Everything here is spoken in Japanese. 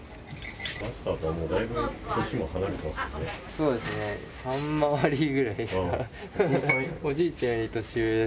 そうですね３回りくらいですか。